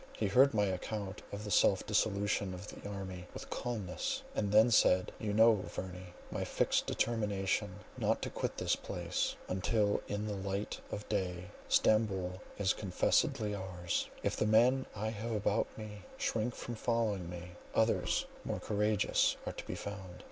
He heard my account of the self dissolution of the army with calmness, and then said, "You know, Verney, my fixed determination not to quit this place, until in the light of day Stamboul is confessedly ours. If the men I have about me shrink from following me, others, more courageous, are to be found.